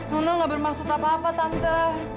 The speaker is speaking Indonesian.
nuna gak bermaksud apa apa tante